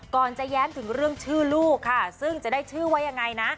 ก่อนจะแย้มถึงเรื่องชื่อลูกค่ะซึ่งจะได้ชื่อว่ายังไงนะ